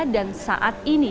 dan saat ini